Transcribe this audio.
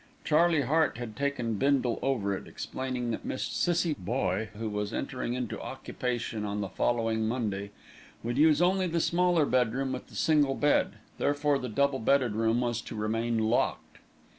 Charlie Hart had taken Bindle over it, explaining that Miss Cissie Boye, who was entering into occupation on the following Monday, would use only the smaller bedroom with the single bed, therefore the double bedded room was to remain locked.